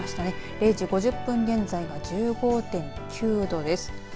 ０時５０分現在が１５．９度です。